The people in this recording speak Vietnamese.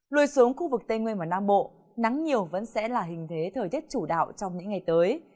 lùi xuống khu vực tây nguyên và nam bộ nắng nhiều vẫn sẽ là hình thế thời tiết chủ đạo trong những ngày tới